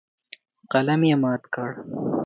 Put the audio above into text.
قلم یې مات کړ.